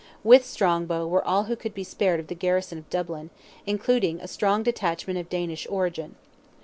With Strongbow were all who could be spared of the garrison of Dublin, including a strong detachment of Danish origin.